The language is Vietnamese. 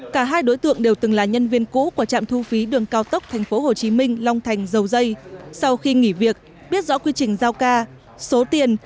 cả hai đối tượng bị các trinh sát của công an tỉnh đồng nai và cục cảnh sát hình sự bộ công an bắt khẩn cướp được khoảng ba km